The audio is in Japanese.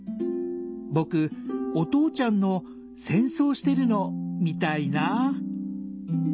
「僕お父ちゃんの戦争してるの見たいなぁ」